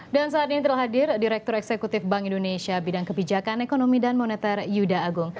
dan saat ini terhadir direktur eksekutif bank indonesia bidang kebijakan ekonomi dan moneter yuda agung